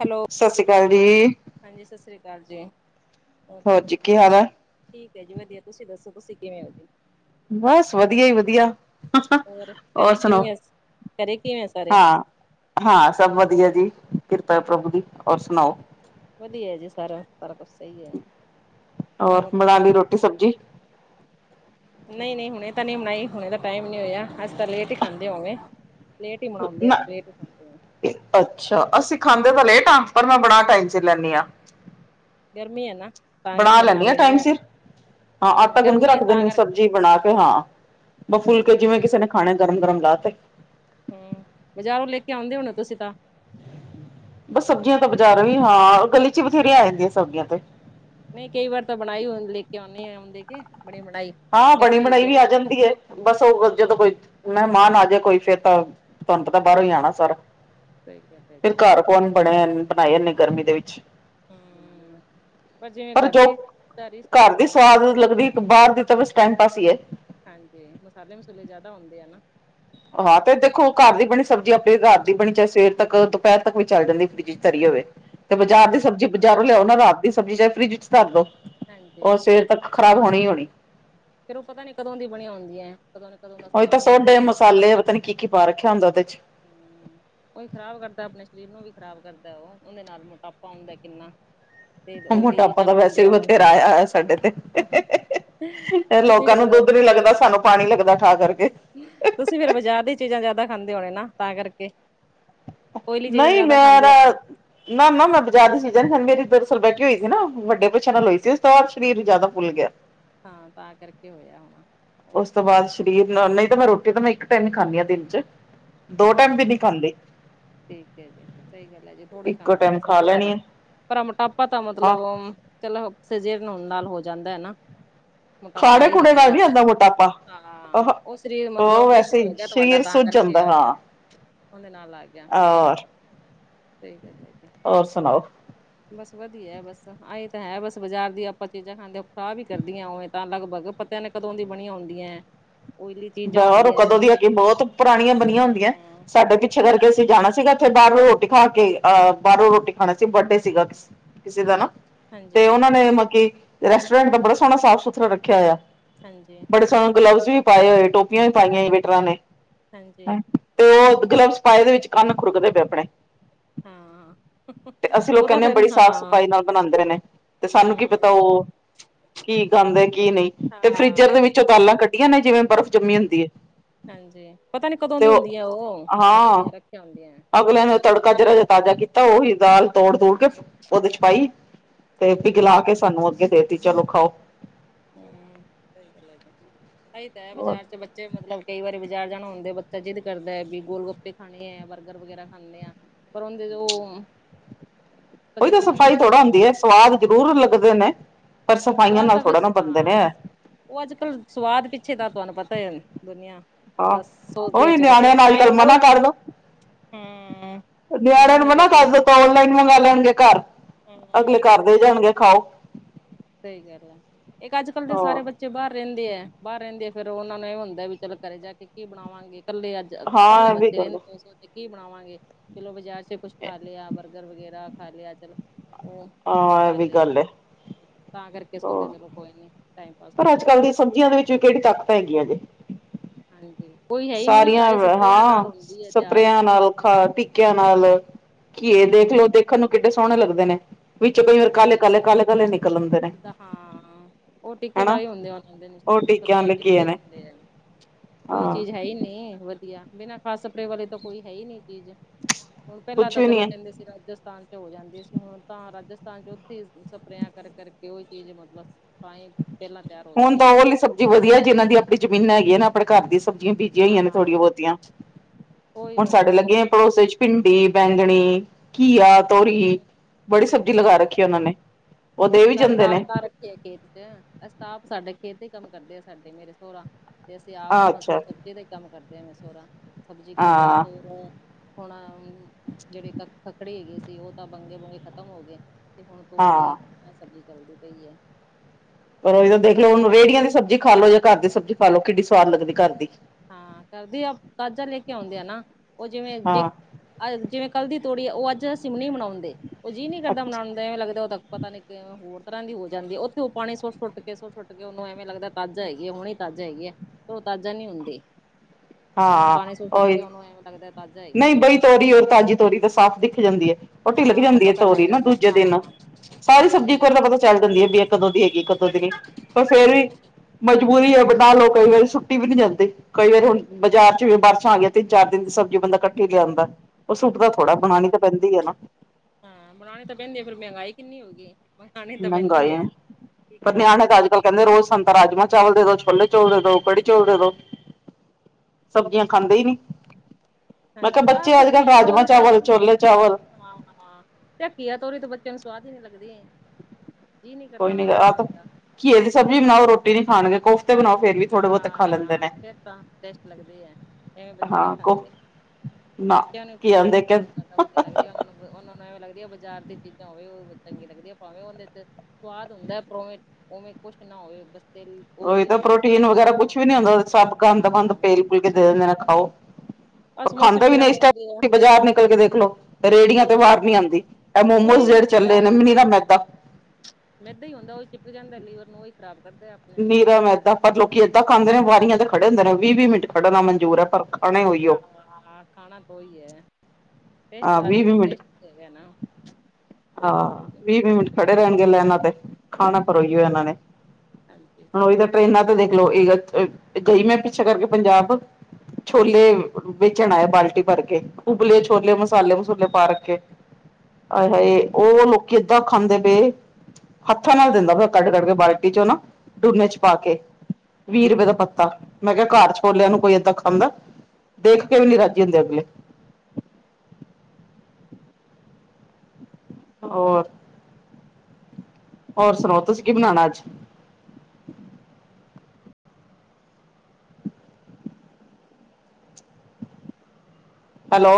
Hello. ਸਤਿ ਸ੍ਰੀ ਅਕਾਲ ਜੀ ਹਾਂਜੀ ਸਸ ਰਿ ਕਾਲ ਜੀ! ਹੋਰ ਹਾਂਜੀ ਕੀ ਹਾਲ ਹੈ? ਠੀਕ ਹੈ ਜੀ! ਵਧੀਆ ਤੁਸੀਂ ਦੱਸੋ ਤੁਸੀਂ ਕਿਵੇਂ ਹੋ ਜੀ? ਬਸ ਵਧੀਆ ਹੀ ਵਧੀਆ ਹੋਰ ਘਰੇ ਸੁਣਾਓ? ਕਿਵੇਂ ਆ? ਘਰੇ ਕਿਵੇਂ ਸਾਰੇ? ਹਾਂ ਹਾਂ ਸਭ ਵਧੀਆ ਜੀ! ਕਿਰਪਾ ਪ੍ਰਭੂ ਦੀ, ਹੋਰ ਸੁਣਾਓ? ਵਧੀਆ ਜੀ ਸਾਰਾ- ਸਾਰਾ ਕੁਛ ਸਹੀ ਆ, ਔਰ ਹੋਰ ਬਣਾ ਲਈ ਦੱਸੋ? ਰੋਟੀ ਸਬਜ਼ੀ? [inaudible] ਨਹੀ- ਨਹੀ ਹੁਣੇ ਤਾਂ ਨਹੀ ਬਣਾਈ, ਹੁਣੇ ਤਾਂ ਟਾਈਮ ਨਹੀ ਹੋਇਆ, ਅਸੀ ਤਾ ਲੇਟ ਹੀ ਖਾਦੇ ਹੋਗੇ। ਲੇਟ ਹੀ ਮਨਾਉਂਦੇ ਆ ਨਾ ਤੇ ਲੇਟ ਹੀ ਖਾਂਨੇ ਆ। ਅੱਛਾ, ਅਸੀਂ ਖਾਂਦੇ ਤਾਂ ਲੇਟ ਆ, ਪਰ ਮੈਂ ਬਣਾ ਟਾਈਮ ਸਿਰ ਲੈਂਨੀ ਆ। ਗਰਮੀ ਐ ਨਾ। ਤਾਂ ਬਣਾ ਕਰਕੇ ਲੈਂਨੀ ਆ ਲੈਂਦੇ ਟਾਈਮ ਹੋਣੇ ਸਿਰ। ਹਾਂ ਹਮ ਆਟਾ ਗੁੰਨ ਕੇ ਗਰਮੀ ਹੈ ਰੱਖ ਤਾਂ ਦੇਣੀ ਆ, ਕਰਕੇ ਸਬਜ਼ੀ ਬਣਾ ਕੇ ਹਾਂ, ਬਸ ਫੁਲਕੇ ਸਹੀ ਜਿਵੇਂ ਕਿਸੇ ਨੇ ਖ ਖਾਣਾ ਗਰਮ-ਗਰਮ ਲਾ ਤੇ। ਹੰਮ, ਬਾਜ਼ਾਰੋਂ ਲੈ ਕੇ ਆਉਂਦੇ ਹੋਣੇ ਤੁਸੀਂ ਤਾਂ। ਬਸ ਸਬਜ਼ੀਆਂ ਤਾਂ ਬਾਜ਼ਾਰ ਵੀ ਹਾਂ ਗਲੀ ਚ ਬਥੇਰੀਆਂ ਆ ਜਾਂਦੀਆਂ ਸਬਜ਼ੀਆਂ ਤੇ ਨਹੀਂ ਕਈ ਵਾਰ ਤਾਂ ਬਣਾਈ ਅ ਲੈ ਕੇ ਆਉਨੇ ਆਉਦੇ ਕੇ ਬਣੀ ਬਣਾਈ। ਹਾਂ, ਬਣੀ ਗਰਮੀ ਬਣਾਈ ਹੈਗੀ ਵੀ ਆ ਤਾਂ ਜਾਂਦੀ ਏ। ਬਸ ਉਹ ਜਦੋਂ ਕੋਈ ਮਹਿਮਾਨ ਆ ਜੇ ਕੋਈ ਫੇਰ ਤਾਂ ਤੁਹਾਨੂੰ ਪਤਾ ਬਾਹਰੋਂ ਹੀ ਆਉਣਾ ਸਾਰਾ ਸਹੀ ਕਹਿ ਤੇ ਫਿਰ ਹੈਗੇ ਏ। ਘਰ ਕੌਣ ਬਣੇ ਏ ਬਣਾਏ ਇੰਨੀ ਗਰਮੀ ਦੇ ਵਿੱਚ। ਹੰਮ, ਪਰ ਜਿਵੇਂ ਗਰ ਦੀ ਤਾਂ ਰੀਸ ਨੀ ਘਰ ਦੀ ਹੁੰਦੀ ਨਾ। ਸਵਾਦ ਲੱਗਦੀ ਇੱਕ ਬਾਹਰ ਦੀ ਤਾਂ ਬਸ ਟਾਈਮ ਪਾਸ ਹੀ ਏ। ਹਾਂਜੀ, ਮਸਾਲੇ ਮਸੂਲੇ ਜ਼ਿਆਦਾ ਹੁੰਦੇ ਆ ਨਾ। ਹਾਂ ਤਾਂ ਤੇ ਕਰਕੇ ਦੇਖੋ, ਘਰ ਦੀ ਬਣੀ ਸਬਜ਼ੀ ਆਪਣੇ ਰਾਤ ਦੀ ਬਣੀ ਚਾਹੇ ਸਵੇਰ ਤੱਕ ਦੁਪਹਿਰ ਤੱਕ ਵੀ ਚੱਲ ਜਾਂਦੀ। ਫਰਿੱਜ'ਚ ਧਰੀ ਹੋਵੇ ਤੇ ਹਾਂਜੀ ਬਾਜ਼ਾਰ ਦੀ ਸਬਜ਼ੀ ਬਜ਼ਾਰੋਂ ਲਿਆਓ ਨਾ ਰਾਤ ਦੀ ਸਬਜ਼ੀ ਚਾਹੇ ਫਰਿਜ ਚ ਧਰਦੋ ਉਹ ਹਾਂਜੀ ਸਵੇਰ ਤੱਕ ਖ਼ਰਾਬ ਹੋਣੀ-ਹੋਣੀ। ਫੇਰ ਉਹ ਪਤਾ ਨੀ ਕਦੋਂ ਦੀ ਬਣੀਆਂ ਹੁੰਦੀਆਂ ਏ। ਉਹੀ ਤਾਂ ਸੋਡੇ ਮਸਾਲੇ ਪਤਾ ਨੀ ਕੀ- ਕੀ ਪਾ ਰੱਖਿਆ ਹੁੰਦਾ ਉਹਦੇ ਚ। ਹਮ ਉਹੀ ਖ਼ਰਾਬ ਕਰਦਾ ਆਪਣੇ ਸਰੀਰ ਨੂੰ ਵੀ ਖ਼ਰਾਬ ਕਰਦਾ ਉਹ, ਉਹਦੇ ਨਾਲ ਮੋਟਾਪਾ ਆਉਦਾ ਕਿੰਨਾ। ਤੇ ਓਇਲੀ ਮੋਟਾਪਾ ਚੀਜ਼ਾਂ ਤਾਂ ਵੈਸੇ ਵੀ ਖਾਂਦੀਆਂ ਵ ਬਥੇਰਾ ਆਇਆ ਹੋਇਆ ਸਾਡੇ ਤੇ। ਕਈ ਤੁਸੀਂ ਲੋਕਾਂ ਨੂੰ ਫੇਰ ਦੁੱਧ ਨੀ ਲੱਗਦਾ, ਸਾਨੂੰ ਪਾਣੀ ਲੱਗਦਾ ਠਾ ਕਰਕੇ। ਤੁਸੀਂ ਫਿਰ ਬਾਜ਼ਾਰ ਦੀ ਚੀਜ਼ਾਂ ਜ਼ਿਆਦਾ ਖਾਂਦੇ ਹੋਣੇ ਨਾ ਤਾਂ ਕਰਕੇ। ਓਇਲੀ ਚੀਜ਼ਾਂ ਨਹੀਂ ਜ਼ਿਆਦਾ ਖਾਂਦੇ ਮੇਰਾ ਹੋਣੇ ਨਾ- ਨਾ ਮੈਂ ਬਾਜ਼ਾਰ ਦੀ ਚੀਜ਼ਾਂ ਨੀ ਖਾਂਦੀ, ਮੇਰੀ ਦਰਅਸਲ ਬੇਟੀ ਹੋਈ ਸੀ, ਨਾ ਵੱਡੇ ਅਪੇ੍ਸਨ ਨਾਲ ਹੋਈ ਸੀ, ਉਸ ਤੋਂ ਬਾਦ ਸਰੀਰ ਜ਼ਿਆਦਾ ਭੁੱਲ ਗਿਆ। ਹਾਂ, ਤਾਂ ਕਰਕੇ ਹੋਇਆ ਹੋਣਾ। ਉਸ ਤੋਂ ਬਾਅਦ ਸਰੀਰ ਨ ਨਹੀਂ ਤਾਂ ਮੈਂ ਰੋਟੀ ਤਾਂ ਮੈਂ ਇੱਕ ਟਾਈਮ ਹੀ ਖਾਂਨੀ ਹਾਂ ਦਿਨ 'ਚ। ਦੋ ਟਾਈਮ ਹਮ ਵੀ ਨੀ ਖਾਂਦੀ। ਠੀਕ ਹੈ ਜੀ, ਸਹੀ ਗੱਲ ਹੈ ਜੀ, ਥੋੜ੍ਹੇ ਹੀ ਇੱਕੋ ਖਾਣਾ ਚਾਹੁੰਦੇ ਟਾਈਮ ਖਾ ਸਾਭ ਲੈਣੀ ਸਾਰਾ, ਆ ਪਰ ਮੋਟਾਪਾ ਤਾਂ ਹਾਂ ਮਤਲਬ ਚਲੋ, ਕ ਸੀਜੇਰੀਅਨ ਹੋਣ ਨਾਲ ਹੋ ਜਾਂਦਾ ਐ ਨਾ, ਮੋਟਾਪਾ ਖਾਣੇ ਆ ਈ ਖੂਣੇ ਨਾਲ ਜਾਂਦਾ ਨੀ ਉਹਨੂੰ। ਆਂਦਾ ਮੋਟਾਪਾ। ਹਾਂ, ਉਹ ਸਰੀਰ ਮਤਲਬ ਉਹ ਵੈਸੇ ਆਪਰੇਸ਼ਨ ਹੋ ਹੀ ਗਿਆ ਤੁਹਾਡਾ ਸਰੀਰ ਤਾਂ ਸੁੱਜ ਕਰਕੇ ਜਾਂਦਾ ਆ ਗਿਆ। ਹਾਂ ਉਹਦੇ ਨਾਲ ਆ ਗਿਆ। ਔਰ ਠੀਕ ਐ - ਠੀਕ ਐ ਔਰ ਸੁਣਾਓ। ਬਸ ਵਧੀਆ, ਬਸ ਆਹੀਂ ਤਾਂ ਹੈ ਬਸ ਬਾਜ਼ਾਰ ਦੀਆ ਆਪਾਂ ਚੀਜ਼ਾਂ ਖਾਂਦੇ ਖਰਾਬ ਈ ਕਰਦੀਆਂ ਉਵੇਂ ਤਾਂ, ਲਗਭਗ ਪਤਾ ਨੀ ਕਦੋਂ ਦੀ ਬਣੀਆਂ ਹੁੰਦੀਆਂ ਐ। ਹੋਰ ਕਦੋਂ ਦੀ ਹੇਗੀ ਏ, ਬਹੁਤ ਪੁਰਾਣੀਆਂ ਬਣੀਆ ਹੁੰਦੀਆਂ। ਹਮ ਸਾਡੇ ਪਿੱਛੇ ਕਰਕੇ ਤੇ ਜਾਣਾ ਸੀਗਾ, ਉੱਥੇ ਬਾਹਰੋਂ ਰੋਟੀ ਖਾ ਕੇ ਅਹ ਬਾਹਰੋਂ ਰੋਟੀ ਖਾਣਾ ਸੀ, ਬਰਡੇ ਸੀਗਾ ਕਿਸ ਕਿਸੇ ਦਾ ਹਾਂ ਨਾ, ਤੇ ਹਾਂਜੀ ਉਹਨਾਂ ਨੇ ਮਾਕਿ ਰੈਸਟੋਰੈਂਟ ਬਹੁਤ ਸੋਹਣਾ ਸਾਫ਼ ਸੁਥਰਾ ਰੱਖਿਆ ਹੋਇਆ। ਹਾਂਜੀ। ਤੇ ਸ ਗਲਬਜ਼ ਵੀ ਪਾਏ ਹੋਏ, ਟੋਪੀਆਂ ਵੀ ਪਾਈਆਂ ਈ ਬੇਟਰਾਂ ਨੇ, ਹਾਂਜੀ ਹ ਤੇ ਉਹ ਗੇਲਬਜ ਪਾਏ, ਉਦੇ ਵਿੱਚ ਕੰਨ ਖੁਰਕਦੇ ਪਏ ਆਪਣੇ। ਹਾਂ ਤੇ ਅਸੀਂ ਲੋਕ ਉਹ ਤਾਂ ਕਹਿੰਨੇ ਫੇਰ ਬੜੀ ਸਾਫ਼ ਹਾਂ ਸਫ਼ਾਈ ਨਾਲ ਬਣਾਂਦੇ ਨੇ, ਤੇ ਸਾਨੂੰ ਕੀ ਪਤਾ ਹਮ ਉਹ ਕੀ ਗਾਦੇ ਕੀ ਨਹੀਂ ਤੇ ਫਰਿਜਰ ਹਾਂ ਦੇ ਵਿੱਚੋਂ ਸਹੀ ਦਾਲਾਂ ਕੱਢੀਆਂ ਨੇ ਜਿਵੇਂ ਬਰਫ਼ ਜੰਮੀ ਹੁੰਦੀ ਏ। ਹਾਂਜੀ, ਪਤਾ ਨੀ ਕਦੋਂ ਦੀ ਹੁੰਦੀ ਹੈ ਉਹਹ ਬਣਾਈਆਂ ਰੱਖਿਆ ਹੁੰਦੀਆਂ। ਉਹਨਾ ਨੂੰ ਤੜਕਾ ਜਿਹੜ ਤਾਜ਼ਾ ਕੀ ਤਾਂ ਉਹੀ ਦਾਲ ਹੂੰ ਤੋੜ, ਤੁੜ ਕੇ ਉਹਦੇ ਚ ਪਾਈ, ਤੇ ਸਹੀ ਗੱਲ ਹੈ ਪਿਘਲਾ ਜੀ ਕੇ ਸਾਨੂੰ ਅੱਗੇ ਦੇ ਤੀ। ਚਲੋ ਖਾਓ। ਹਮ ਸਹੀ ਗੱਲ ਹੈ, ਸਹੀ ਤਾਂ ਹੈ ਹੋਰ ਬਾਜ਼ਾਰ ਚ ਬੱਚੇ ਮਤਲਬ ਕਈ ਵਾਰੀ ਚਾਰ ਜਾਣਾ ਹੁੰਦੇ ਬੱਚਾ ਜਿੱਦ ਕਰਦਾ ਹੈ ਗੋਲ ਗੱਪੇ ਖਾਣੇ ਐ ਬਰਗਰ ਵਗੈਰਾ ਖਾਂਣੇ ਆ। ਪਰ ਉਹਦੇ ਚ ਔਹ ਉਹੀ ਤਾਂ ਸਫ਼ਾਈ ਥੋੜਾ ਹੁੰਦੀ ਹੈ, ਸਵਾਦ ਜ਼ਰੂਰ ਲੱਗਦੇ ਨੇ। ਪਰ ਸਫਾਈਆਂ ਸਵਾਦ ਨਾਲ ਤਾਂ ਫਿਰ ਥੋੜ੍ਹਾ ਨਾ ਬਣਦੇ ਨੇ ਹਾਂ ਐ। ਉਹ ਅੱਜ ਕੱਲ੍ਹ ਸਵਾਦ ਪਿੱਛੇ ਤਾਂ ਤੁਹਾਨੂੰ ਪਤਾ ਐ ਦੁਨੀਆਂ ਆਹ ਬਸ ਸੋਚਦੀ ਹੈ ਉਹੀ ਚਲੋ ਨਿਆਣਿਆਂ ਇੱਕ ਨੂੰ ਅੱਜ ਕੱਲ੍ਹ ਟਾਈਮ ਮਨਾ ਉਹੀ ਕਰਦੋ। ਹੂੰ ਨਿਆਣਿਆ ਮਨਾ ਕਰ ਦੋ, ਤਾਂ ਔਨਲਾਈਨ ਮੰਗਾ ਲੈਣਗੇ ਘਰ। ਹਮ, ਹਮ। ਇਹ ਘਰ ਦੇ ਜਾਣਗੇ ਖਾਓ। ਸਹੀ ਗੱਲ ਐ, ਇਹ ਅੱਜ ਕੱਲ੍ਹ ਦੇ ਹਾਂ ਸਾਰੇ ਬੱ ਬੱਚੇ ਬਾਹਰ ਰਹਿੰਦੇ ਆ, ਬਾਹਰ ਰਹਿੰਦੇ ਆ ਫੇਰ ਉਹਨਾ ਨੂੰ ਇਹ ਹੁੰਦਾ ਵੀ ਚੱਲ ਘਰੇ ਜਾ ਕੇ ਕੀ ਬਣਾਵਾਂਗੇ, ਇਕੱਲੇ ਅੱਜ ਹਾਂ ਕੱਲੇ ਇਹ ਵੀ ਬੱਚੇ ਗੱਲ ਰਹਿੰਦੇ ਦ ਸੋਚ, ਹੈ, ਸੋਚ ਕੇ ਕੀ ਬਣਾਵਾਂਗੇ ਚਲੋ ਬਾਜ਼ਾਰ ਚ ਚ ਕੁਛ ਖਾ ਲਿਆ ਬਰਗਰ ਵਗੈਰਾ ਖਾ ਲਿਆ ਚਲੋ। ਉਹ ਆ ਖਾ ਵੀ ਲਿਆ ਗੱਲ ਐ। ਤਾਂ ਕਰਕੇ ਸੋਚਦੇ ਆ ਚਲੋ ਕੋਈ ਨੀ। ਟਾਈਮ ਪਾਸ ਹੋ ਪਰ ਅੱਜ ਕੱਲ ਜਾਂਦਾ ਦੀਆਂ ਹੁਣ ਸਬਜ਼ੀਆਂ ਦੇ ਵਿੱਚ ਵੀ ਕਿਹੜੀ ਤਾਕਤ ਹੈਗੀਆਂ ਹਜੇ। ਹਾਂਜੀ। ਕੋਈ ਹੈ ਹੀ ਨਹੀਂ ਸਾਰੀਆਂ ਸਾਰੇ ਸਪਰੇਆਂ ਹਾਂ ਨਾਲ ਹੁੰਦੀ ਹੈ ਤਿਆਰ ਸਪਰੇਆਂ ਨਾਲ ਖਾ ਟੀਕਿਆਂ ਨਾਲ ਕੀਏ ਹੂੰ ਦੇਖਲੋ ਦੇਖਣ ਨੂੰ ਕਿੱਡੇ ਸੋਹਣੇ ਲੱਗਦੇ ਨੇ ਵਿੱਚੋਂ ਕਈ ਵਾਰ ਹਾਂਜੀ, ਕਾਲੇ ਕਾਲੇ ਕਾਲੇ ਕਾਲੇ ਨਿਕਲ ਆਂਦੇ ਨੇ ਹਾਂ ਉਹ ਟੀਕੇ ਹਨਾ ਲਾਏ ਹੁੰਦੇ ਉਹਨਾਂ ਦੇ ਨੇ। ਉਹ ਟੀਕਿਆਂ ਸਪਰੇਅ ਆਲੇ ਘੀਏ ਕੀਤੀ ਨੇ ਹੁੰਦੀ ਐ, ਕੋਈ ਹਾਂ ਚੀਜ਼ ਹੈ ਹੀ ਨੀ ਵਧੀਆ। ਬਿਨਾਂ ਖਾਦ ਸਪਰੇ ਵਾਲੇ ਤਾਂ ਕੋਈ ਹੈ ਹੀ ਨਹੀਂ ਚੀਜ਼, ਹੁਣ ਪਹਿਲਾਂ ਕੁਛ ਤਾਂ ਵੀ ਨੀ ਚਲੋ ਹੈ ਕਹਿੰਦੇ ਸੀ ਰਾਜਸਥਾਨ ਚ ਹੋ ਜਾਂਦੇ ਸੀ, ਹੁਣ ਤਾਂ ਰਾਜ ਰਾਜਸਥਾਨ ਚ ਉੱਥੇ ਸਪਰੇਆਂ ਕਰ ਕਰ ਕੇ ਉਹੀ ਚੀਜ਼ ਮਤਲਬ ਤਾਂਹੀ। ਹੁਣ ਤਾਂ ਉਹ ਆਲੀ ਸਬਜ਼ੀ ਵਧੀਆ, ਜਿਹਨਾਂ ਦੀ ਆਪਣੀ ਜ਼ਮੀਨਾਂ ਹੈਗੀਆਂ ਨਾ ਆਪਣੇ ਘਰ ਦੀਆਂ ਸਬਜ਼ੀਆਂ ਬੀਜ ਬੀਜੀਆਂ ਹੋਈਆਂ ਨੇ ਥੋੜੀਆਂ ਹਾਂ ਬਹੁਤੀਆਂ, ਉਹੀ ਹੁਣ ਬਸ ਸਾਡੇ ਵਧੀਆ ਲੱਗੇ ਹੁੰਦੀ ਪੜੋਸ ਕਰਦਾ ਚ ਭਿੰਡੀ, ਬੈਂਗਣੀ। ਘੀਆ ਤੋਰੀ ਬੜੀ ਸਬਜ਼ੀ ਲਗਾ ਰੱਖੀ ਉਹਨਾਂ ਹਾਂ ਨੇ। ਉਹ ਦੇ ਵੀ ਸਾਡੇ ਤਾਂ ਜਾਂਦੇ ਆਪ ਨੇ ਉਗਾ ਰੱਖੇ ਆ ਖੇਤ ਚ। ਅਸੀ ਤਾਂ ਆਪ, ਸਾਡੇ ਖੇਤ ਤੇ ਕੰਮ ਕਰਦੇ ਆ ਸਾਡੇ ਮੇਰੇ ਸੋਹਰਾ। ਤੇ ਅਸੀਂ ਆਪ ਮਤਲਬ ਅੱਛਾ ਸਬਜ਼ੀ ਦਾ ਹੀ ਕੰਮ ਕਰਦੇ ਆ ਮੈਂ ਸੋਹਰਾ। ਸਬਜ਼ੀ ਘੀਆ, ਹਾਂ ਤੋਰੀ ਹੁਣ ਜੇਹੜੀ ਕ ਕਕੜੀ ਹੈਗੇ ਸੀ। ਉਹ ਤਾਂ ਬੰਗੇ ਬੰਗੇ ਖ਼ਤਮ ਹੋ ਗਏ, ਤੇ ਹੁਣ ਤੋਰੀ ਹਾਂ ਐ ਸਬਜ਼ੀ ਚੱਲਦੀ ਪਈ ਐ। ਪਰ ਓਹੀ ਤੇ ਦੇਖ ਲਓੁ ਰੇਹੜੀਆਂ ਦੀ ਸਬਜ਼ੀ ਖਾਲੋ ਜਾਂ ਘਰ ਦੀ ਸਬਜ਼ੀ ਖਾਲੋ, ਕਿੱਡੀ ਸਵਾਦ ਲੱਗਦੀ ਘਰ ਦੀ। ਹਾਂ ਕਰਦੇ ਆ ਤਾਜ਼ਾ ਲੈ ਕੇ ਆਉਂਦੇ ਆ ਨਾ, ਓਹ ਜਿਵੇਂ ਜੇ ਹਾਂ ਅ ਜਿਵੇਂ ਕੱਲ੍ਹ ਦੀ ਤੋੜੀ ਆ ਓਹ ਅੱਜ ਅਸੀ ਨੀ ਬਨਾਉਦੇ ਓਹ ਜੀ ਨੀ ਕਰਦਾ ਅੱਛਾ ਬਨਾਉਂਦੇ ਐਂ ਲੱਗਦਾ ਓਹ ਪਤਾ ਨੀ ਹੋਰ ਤਰ੍ਹਾਂ ਦੀ ਹੋ ਜਾਂਦੀ ਐ ਉੱਥੇ ਓਹ ਪਾਣੀ ਸੁੱਟ-ਸੁੱਟ ਕੇ ਸੁੱਟ-ਸੁੱਟ ਕੇ ਓਹਨੂੰ ਐਵੇਂ ਲੱਗਦਾ ਤਾਜ਼ਾ ਹੈਗੀ ਐ ਹੁਣੀ ਤਾਜ਼ਾ ਹੈਗੀ ਐ। ਓ ਤਾਜ਼ਾ ਨੀ ਹੁੰਦੀ। ਉਹਨੂੰ ਹਾਂ ਪਾਣੀ ਸੁੱਟ ਸੁੱਟ ਓਹੀ, ਕੇ ਉਹਨੂੰ ਐਵੇਂ ਲੱਗਦਾ ਤਾਜ਼ਾ ਹੈਗੀ ਨਹੀਂ ਆ ਉਹ ਬਈ ਤੋਰੀ ਔਰ ਤਾਜ਼ੀ ਤੋਰੀ ਤਾਂ ਸਾਫ਼ ਦਿਖ ਜਾਂਦੀ ਐ। ਓਹ ਢਿਲਕ ਹਾਂ ਉਹ ਜਾਂਦੀ ਐ ਪਤਾ ਤੋਰੀ ਲੱਗ ਨਾ ਜਾਂਦਾ ਦੂਜੇ ਹਾਂ ਦਿਨ, ਹਾਂ ਸਾਰੀ ਸਬਜ਼ੀ ਸਹੀ ਇੱਕਵਾਰ ਗੱਲ ਦਾ ਹੈ ਪਤਾ ਚੱਲ ਢੱਲੀਐ ਪਇਐ, ਕਦੋਂ ਦੀ ਹੈਗੀ ਕਦੋਂ ਦੀ ਨੀ ਪਰ ਫੇਰ ਵੀ ਮਜਬੂਰੀ ਐ ਬਣਾ ਲਓ ਕਈ ਵਾਰੀ ਸੁੱਟੀ ਵੀ ਨੀ ਜਾਂਦੀ, ਕਈ ਵਾਰੀ ਹੁਣ ਬਾਜ਼ਾਰ ਚ ਵੀ ਬਾਰਿਸ਼ਾਂ ਆ ਗਈਆਂ ਤਿੰਨ ਚਾਰ ਦਿਨ ਦੀ ਸਬਜ਼ੀ ਬੰਦਾ ਇਕੱਠੀ ਲੇਆਉਂਦਾ। ਓਹ ਸੁੱਟ ਨਾ ਥੋੜ੍ਹਾ ਹਾਂਜੀ ਬਣਾਣੀ ਤਾਂ ਪੈਂਦੀ ਐ ਨਾ। ਹਾਂ ਬਣਾਣੀ ਤਾਂ ਪੈਂਦੀ ਐ, ਫੇਰ ਮੈਹੰਗਾਈ ਕਿੰਨੀ ਹੋ ਗਈ ਐ। ਮਹਿੰਗਾਈ ਐ, ਪਰ ਕਰੀਏ ਨਿਆਣੇ ਤਾ ਅੱਜ-ਕੱਲ ਕੈਹੰਦੇ ਰੋਜ਼ ਸਾਨੂੰ ਤਾਂ ਰਾਜਮਾਂਹ-ਚਾਲਵ ਦੇ ਦੋ, ਛੋਲੇ-ਚੌਲ ਦੇ ਦੋ, ਕੜੀ-ਚੌਲ ਦੇ ਦੋ ਸਬਜ਼ੀਆਂ ਖਾਂਦੇ ਈ ਨੀ। ਮੈਂ ਕਿਹਾ ਹਾਂਜੀ ਆਪ ਬੱਚੇ ਅੱਜ ਕੱਲ੍ਹ ਘੀਆ, ਰਾਜਮਾਂ ਤੋਰੀ ਤਾਂ, ਚਾਵਲ ਛੋਲੇ ਚਾਵਲ ਹਾਂ ਤੇ ਘੀਆ, ਤੋਰੀ ਤਾਂ ਬੱਚਿਆਂ ਨੂੰ ਸਵਾਦ ਈ ਨੀ ਲੱਗਦੀ। ਜੀਅ ਕੋਈ ਕਰਦਾ ਨੀ ਉਹਨਾਂ ਦਾ ਗੱਲ ਆ, ਖਾਣ ਦਾ ਘੀਏ ਦੀ ਸਬਜ਼ੀ ਬਣਾਓ ਰੋਟੀ ਨੀ ਖਾਣਗੇ ਕੋਫਤੇ ਬਣਾਓ ਫੇਰ ਵੀ ਥੋੜੇ ਬਹੁਤ ਖਾ ਲੈਂਦੇ ਨੇ ਹਾਂ ਫੇਰ ਤਾਂ ਟੇਸਟ ਲਗਦੀ ਐ, ਐਂਵੇ ਬੱਚੇ ਨੀ ਹਾਂ ਕੋ ਖਾਂਦੇ। ਨਾ ਬੱਚੇਆਂ ਨੂੰ ਕੀ ਬਜ਼ਾਰ ਆਂਦੇ ਦੀ ਕੇ ਚੀਜ਼ਾਂ ਜ਼ਿਆਦਾ ਵਦੀਆ ਲੱਗਦੀਆਂ ਓਹਨਾਂ ਨੂੰ। ਓਹਨਾਂ ਨੂੰ ਐਵੇਂ ਲੱਗਦੀ ਹੈ ਬਾਜ਼ਾਰ ਦੀ ਚੀਜ਼ਾਂ ਹੋਵੇ ਓਹ ਚੰਗੀ ਲੱਗਦੀਆਂ ਭਾਵੇਂ ਓਹਦੇ ਚ ਸਵਾਦ ਹੁੰਦੈ ਪਰ ਉਵੇਂ-ਉਵੇਂ ਕੁਛ ਨਾ ਹੋਵੇ ਬਸ ਤੇਲ ਓਇਲੀ ਹੁੰਦੇ ਆ। ਤਾਂ ਟੀਨ ਵਗੈਰਾ ਕਰਕੇ ਹਾਂ ਕੁੱਛ ਵੀ ਨੀ ਹੁੰਂਦਾ ਸਭ ਗੰਦ ਵੰਦ ਹਾਂ ਪੇਲ ਪੂਲ ਕੇ ਦੇ ਦਿੰਦੇ ਨੇ ਖਾਓ ਆਹ ਪਰ ਸਮੋਸੇ ਖਾਂਦੇ ਵੀ ਵਗੈਰਾ ਨੇ ਇਸ ਬਣਾਉਂਦੇ ਆ ਟੈਮ, ਬਾਜ਼ਾਰ ਨਿਕਲ ਕੇ ਦੇਖਲੋ ਰੇਹੜੀਆਂ ਤੇ ਵਾਰ ਨੀ ਹਾਂ ਆਂਦੀ। ਐਹ ਮੋਮੋਜ ਉਹੀ ਜੇਹੜੇ ਚੱਲੇ ਨੇ ਮੀ ਨੀਰਾ ਮੈਦਾ ਮੈੱਦਾ ਈ ਹੁੰਦਾ ਉਹੀ ਚਿਪਕ ਜਾਂਦਾ ਲੀਵਰ ਨੂੰ ਉਹੀ ਖਰਾਬ ਕਰਦੈ ਆਪ। ਨੀਰਾ ਮੈਦਾ ਪਰ ਲੋਕੀ ਏਦਾਂ ਖਾਂਦੇ ਨੇ ਵਾਰੀਆਂ ਦੇ ਖੜੇ ਹੁੰਦੇ ਨੇ, ਵੀ-ਵੀ ਮਿੰਟ ਖੜਨਾ ਮਨਜ਼ੂਰ ਐ ਪਰ ਖਣੇ ਓਈਓ [unintelligible] ਖਾਣਾ ਓਈਐ ਟੇਸਟ ਹਾਂ ਅੱਜ ਵੀਹ ਵੀਹ ਕੋ ਮਿੰਟ ਟੇਸਟ ਹੈਗਾ ਨਾ, ਸਈ ਗੱਲ ਐ ਹਾਂ ਜ ਵੀਹ ਵੀਹ ਮਿੰਟ ਖੜੇ ਰੈਹਣਗੇ ਲੈਨਾਂ ਤੇ, ਖਾਣਾ ਹਾਂ, ਪਰ ਓਈਓ ਐ ਏਹਨਾਂ ਨੇ, ਹਾਂਜੀ ਹੁਣ ਸਹੀ ਉਹੀ ਗੱਲ ਤਾਂ ਹੈ। ਟਰੇਨਾਂ ਦੇਖਲੋ ਏਗਲ ਗਈ ਮੈਂ ਪਿੱਛੇ ਕਰਕੇ ਪੰਜਾਬ ਛੋਲੇ ਵੇਚਣ ਆਏਆ ਬਾਲਟੀ ਭਰ ਕੇ ਉਬਲੇ ਛੋਲੇ ਮਸ ਮਸਾਲੇ ਮਸੂਲੇ ਪਾ ਕੇ, ਆਏ ਹਾਏ! ਓ ਲੋਕੀ ਏਦਾਂ ਖਾਂਦੇ ਪੇ ਹੱਥਾਂ ਨਾਲ ਦੇੰਦਾ ਫੇਰ ਕੱਢ-ਕੱਢ ਕੇ ਬਾਲਟੀ ਚ ਨਾ, ਡੋਨੇ ਇਚ ਪਾ ਕੇ। ਵੀ ਰੁਪਏ ਦਾ ਪੱਤਾ, ਮੈਂ ਕੇਆ ਘਰ ਚ ਛੋਲੇਆਂ ਨੂੰ ਕੋਈ ਏਦਾਂ ਖਾਂਦੈ। ਦੇਖ ਕੇ ਵੀ ਨੀ ਰਾਜੀ ਹੁੰਦੇ ਅਗਲੇ। ਹੋਰ ਹੋਰ ਸੁਣਾਓ ਤੁਸੀਂ ਕੀ ਬਣਣੈ ਅੱਜ। ਹੈਲੋ।